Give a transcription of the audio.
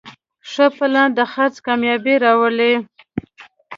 ښه پلان د خرڅ کامیابي راولي.